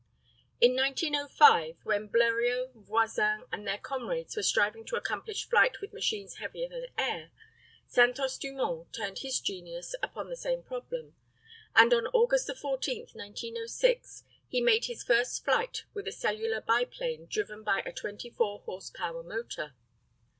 In 1905, when Bleriot, Voisin, and their comrades were striving to accomplish flight with machines heavier than air, Santos Dumont turned his genius upon the same problem, and on August 14, 1906, he made his first flight with a cellular biplane driven by a 24 horse power motor.